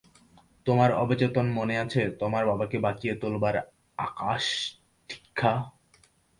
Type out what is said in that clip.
তোমার অবচেতন মনে আছে তোমার বাবাকে বাঁচিয়ে তোলবার আকাষ্ঠীক্ষা।